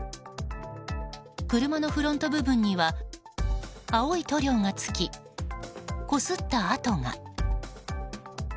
車のフロント部分には青い塗料がつき、こすった跡が。